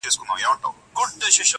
دا دي کټ دا دي پوزى، دا دي پوله دا پټى.